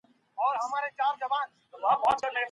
هر څېړونکی خپل ځانګړی کاري ډول لري.